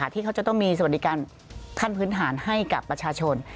ที่เขาจะต้องมีสวัสดิการขั้นพื้นฐานให้กับประชาชน